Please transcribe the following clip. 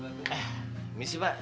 eh misi pak